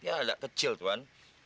dia agak kecil tuan